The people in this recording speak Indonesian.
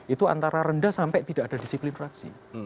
itu antara rendah sampai tidak ada disiplin fraksi